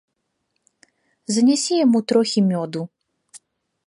Занясі яму трохі мёду.